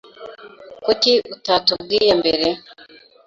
Kuki utatubwiye mbere?